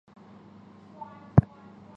该站位于杨春湖路与明德路的交汇处。